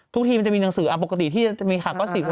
ทุกทีมันจะมีหนังสือปกติที่จะมีข่าก็อสซิบ